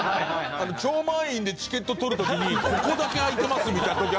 超満員でチケット取る時に「ここだけ空いてます」みたいな時あるじゃないですか。